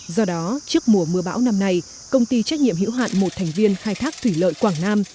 do đó trước mùa mưa bão năm nay công ty trách nhiệm hữu hạn một thành viên khai thác thủy lợi quảng nam